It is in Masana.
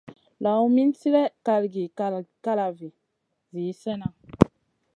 Lawn min slihè kalgi kalavi zi slena.